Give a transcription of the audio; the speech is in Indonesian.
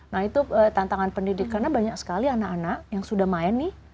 nah itu tantangan pendidik karena banyak sekali anak anak yang sudah main nih